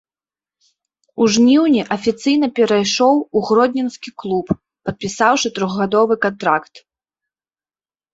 У жніўні афіцыйна перайшоў у гродзенскі клуб, падпісаўшы трохгадовы кантракт.